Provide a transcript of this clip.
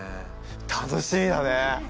楽しみだね！